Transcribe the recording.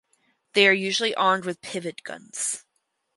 They are usually armed with pivot guns.